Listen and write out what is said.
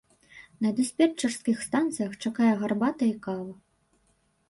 На дыспетчарскіх станцыях чакае гарбата і кава.